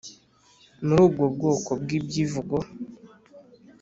muri ubwo bwoko bw'ibyivugo